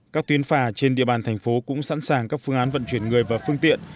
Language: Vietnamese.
các tuyến phà trên địa bàn thành phố cũng sẵn sàng các phương án vận chuyển người và phương tiện